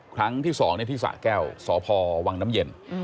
ครั้งที่๒ที่สระแก้วสพวนย